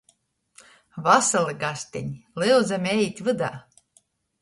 Vasali, gasteni, lyudzami ejit vydā!